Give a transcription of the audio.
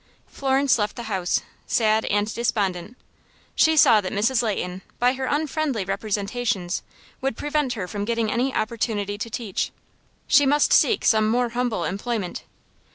Florence left the house, sad and despondent. She saw that Mrs. Leighton, by her unfriendly representations, would prevent her from getting any opportunity to teach. She must seek some more humble employment.